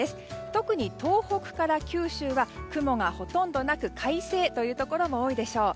特に東北から九州は雲がほとんどなく快晴というところも多いでしょう。